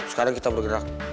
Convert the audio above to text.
sekarang kita bergerak